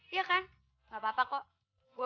ya kan tidak apa apa aku tahu